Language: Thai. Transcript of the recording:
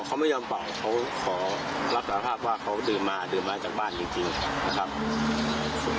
เขาไม่ยอมเป่าเขาขอรับสารภาพว่าเขาดื่มมาดื่มมาจากบ้านจริงจริงนะครับ